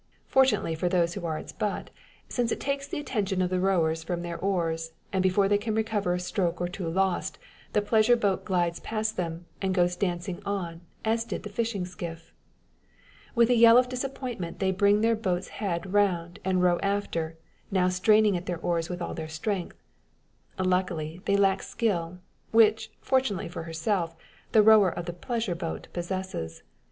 Fortunately for those who are its butt, since it takes the attention of the rowers from their oars, and before they can recover a stroke or two lost the pleasure boat glides past them, and goes dancing on, as did the fishing skiff. With a yell of disappointment they bring their boat's head round, and row after; now straining at their oars with all strength. Luckily, they lack skill; which, fortunately for herself, the rower of the pleasure boat possesses.